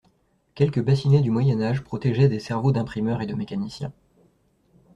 Quelques bassinets du moyen âge protégeaient des cerveaux d'imprimeurs et de mécaniciens.